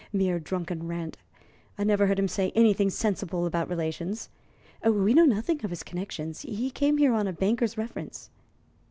Mere drunken rant! I never heard of his saying anything sensible about relations. We know nothing of his connections; he came here on a banker's reference."